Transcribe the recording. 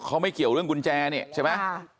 เขาไม่เกี่ยวเรื่องกุญแจมั้ย